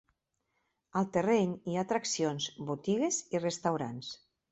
Al terreny hi ha atraccions, botigues i restaurants.